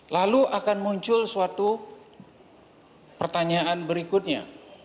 lalu akan muncul suatu pertanyaan berikutnya